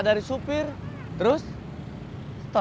udah mulai delengongo